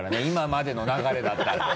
今までの流れだったら。